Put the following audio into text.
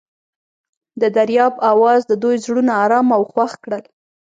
د دریاب اواز د دوی زړونه ارامه او خوښ کړل.